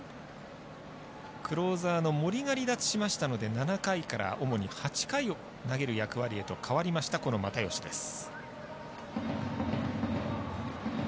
クローザーの森が離脱しましたので７回から主に８回を投げる役割へと代わりました、又吉です。